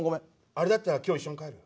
あれだったら今日一緒に帰る？